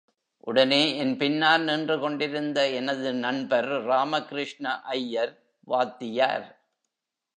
உடனே என் பின்னால் நின்று கொண்டிருந்த எனது நண்பர் ராம கிருஷ்ண ஐயர், வாத்தியார்!